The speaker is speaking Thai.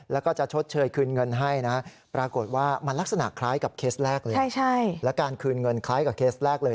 แล้วก็จะชดเชยคืนเงินให้นะปรากฏว่ามันลักษณะคล้ายกับเคสแรกเลย